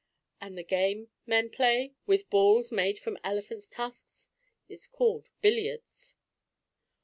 And the game men play, with balls made from elephants' tusks, is called billiards.